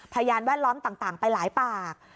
พยานแวดล้อมต่างไปหลายปาก